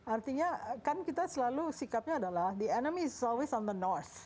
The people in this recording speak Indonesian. artinya kan kita selalu sikapnya adalah the enemy so is on the north